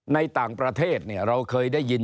ในต่างประเทศเราเคยได้ยิน